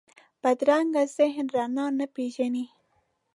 بدرنګه ذهن رڼا نه پېژني